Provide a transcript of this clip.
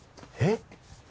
「えっ！？」